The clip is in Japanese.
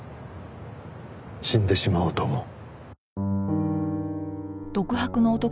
死んでしまおうと思う。